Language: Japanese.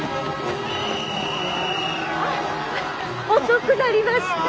遅くなりました。